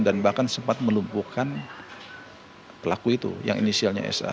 dan bahkan sempat melumpuhkan pelaku itu yang inisialnya sa